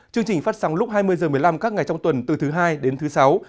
chương trình phát sóng lúc hai mươi h một mươi năm các ngày trong tuần từ thứ hai đến thứ sáu